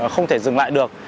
không thể dừng lại được